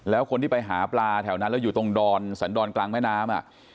แล้วคนที่ไปหาปลาแถวนั้นแล้วอยู่ตรงดอนสันดรกลางแม่น้ำ